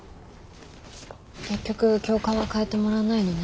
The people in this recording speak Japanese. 結局教官は替えてもらわないのね？